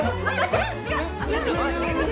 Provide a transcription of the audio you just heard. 違う！